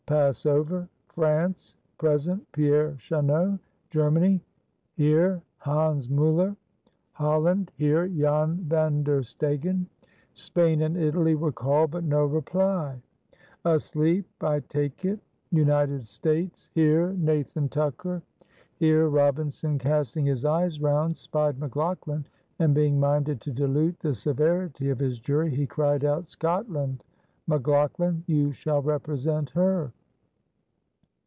"Pass over. France." "Present. Pierre Chanot." "Germany." "Here. Hans Muller." "Holland." "Here. Jan Van der Stegen." Spain and Italy were called, but no reply. Asleep, I take it. "United States." "Here. Nathan Tucker." Here Robinson, casting his eyes round, spied McLaughlan, and, being minded to dilute the severity of his jury, he cried out, "Scotland. McLaughlan, you shall represent her."